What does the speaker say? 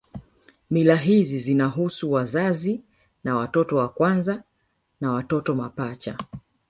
Mila hizi zinahusu wazazi na watoto wa kwanza na watoto mapacha